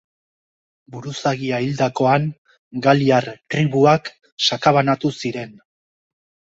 Buruzagia hildakoan galiar tribuak sakabanatu ziren.